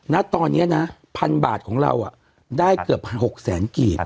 ณตอนนี้นะพันบาทของเราได้เกือบ๖แสนกีด